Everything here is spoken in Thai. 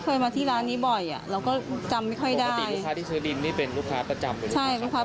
พอมารู้แบบนี้แล้วว่าเขามาซื้อดินของเรา